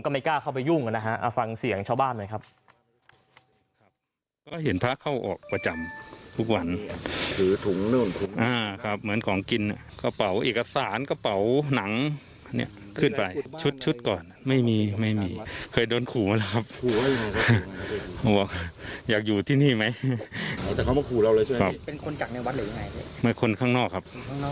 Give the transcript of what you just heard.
ไม่กล้าเข้าไปยุ่งนะฮะเอาฟังเสียงชาวบ้านหน่อยครับ